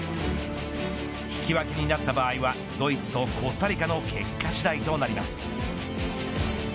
引き分けになった場合はドイツとコスタリカの結果次第となります。